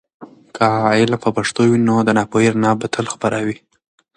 که علم په پښتو وي، نو د پوهې رڼا به تل خپره وي.